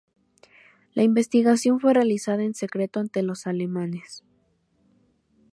La investigación fue realizada en secreto ante los alemanes.